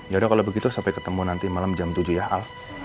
yaudah kalau begitu sampai ketemu nanti malam jam tujuh ya al